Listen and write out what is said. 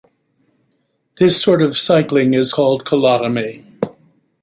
This sort of cycling is called colotomy.